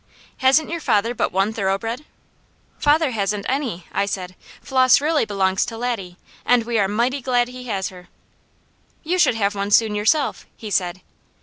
"Hasn't your father but one thoroughbred?" "Father hasn't any," I said. "Flos really belongs to Laddie, and we are mighty glad he has her." "You should have one soon, yourself," he said.